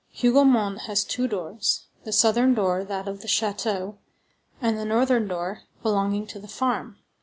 Hougomont has two doors,—the southern door, that of the château; and the northern door, belonging to the farm.